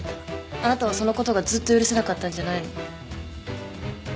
あなたはその事がずっと許せなかったんじゃないの？